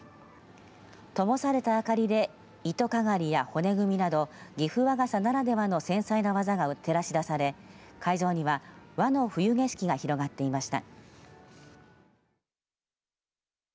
ともされた明かりでいとがかりや骨組みなど岐阜和傘ならではの繊細な技が照らし出され会場には和の冬景色が広がっていました。